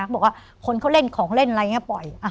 บอกว่าคนเขาเล่นของเล่นอะไรอย่างนี้ปล่อย